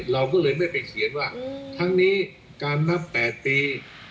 เราก็เลยไม่ไปเขียนว่าทั้งนี้การนับ๘ปี